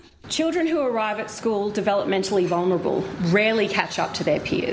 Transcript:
anak anak yang datang ke sekolah yang terlalu berpengaruh terbang